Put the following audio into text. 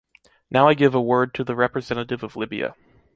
Now I give a word to the representative of Libya.